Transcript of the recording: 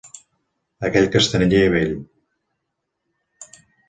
Aquell castanyer vell.